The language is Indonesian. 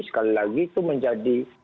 sekali lagi itu menjadi